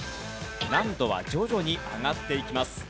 難度は徐々に上がっていきます。